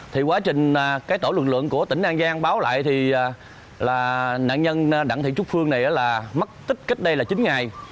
thì quá trình tổ lượng lượng của tỉnh an giang báo lại là nạn nhân đặng thị trúc phương này mất tích cách đây là chín ngày